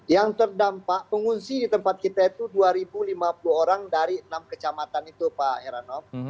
yang terdampak pengungsi di tempat kita itu dua lima puluh orang dari enam kecamatan itu pak heranov